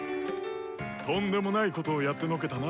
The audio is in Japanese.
とんでもないことをやってのけたな。